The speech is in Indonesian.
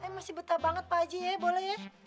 masih betah banget pak haji ya boleh ya